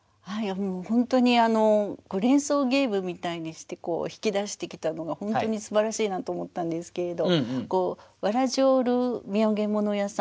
本当に連想ゲームみたいにして引き出してきたのが本当にすばらしいなと思ったんですけれど。